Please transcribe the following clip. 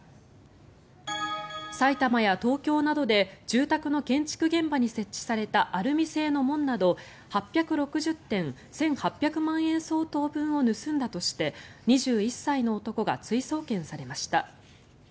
埼玉や東京などで住宅の建築現場に設置されたアルミ製の門など８６０点、１８００万円相当分を盗んだとして２１歳の男が追送検されました。